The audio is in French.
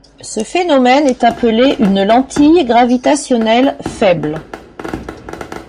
Ce phénomène est appelé une lentille gravitationnelle faible.